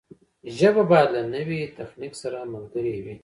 ژبه باید له نوي تخنیک سره ملګرې وي.